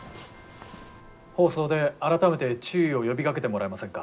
放送で改めて注意を呼びかけてもらえませんか？